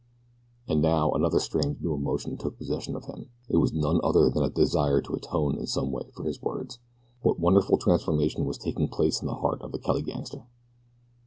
And now another strange new emotion took possession of him. It was none other than a desire to atone in some way for his words. What wonderful transformation was taking place in the heart of the Kelly gangster?